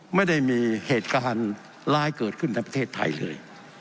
ไม่ได้มีเหตุการณ์ร้ายเกิดขึ้นในประเทศไทยเลย